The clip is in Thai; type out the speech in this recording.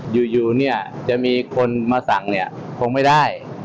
อยู่เนี่ยจะมีคนมาสั่งเนี่ยคงไม่ได้